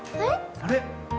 あれ？